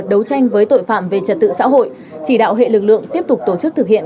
đấu tranh với tội phạm về trật tự xã hội chỉ đạo hệ lực lượng tiếp tục tổ chức thực hiện